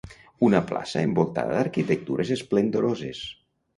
Una plaça envoltada d'arquitectures esplendoroses.